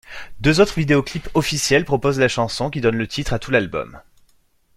Deux autres vidéoclips officiels proposent la chanson qui donne le titre à tout l'album.